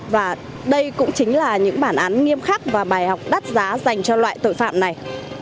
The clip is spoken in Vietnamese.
và đây cũng chính là những bản án nghiêm khắc và bài học đắt giá dành cho loại tội phạm này